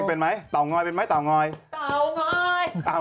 เป็นตกลงเป็นอะไรคะระหว่างฟ้า